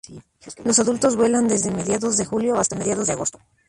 Los adultos vuelan desde mediados de julio hasta mediados de agosto.